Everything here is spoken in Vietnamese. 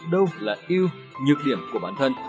đâu là yêu nhược điểm của bản thân